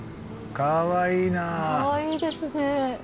かわいいですね。